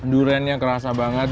duriannya kerasa banget